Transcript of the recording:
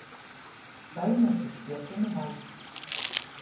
Bazneica ir škierta nu vaļsts.